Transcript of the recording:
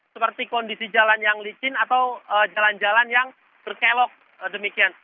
seperti kondisi jalan yang licin atau jalan jalan yang berkelok demikian